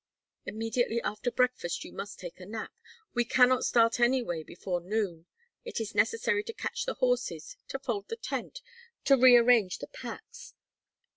"Immediately after breakfast you must take a nap. We cannot start anyway before noon. It is necessary to catch the horses, to fold the tent, to rearrange the packs.